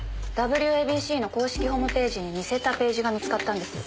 ＷＡＢＣの公式ホームページに似せたページが見つかったんです。